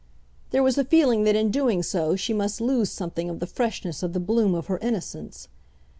There was a feeling that in doing so she must lose something of the freshness of the bloom of her innocence.